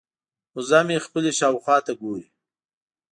وزه مې خپلې شاوخوا ته ګوري.